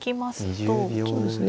そうですね。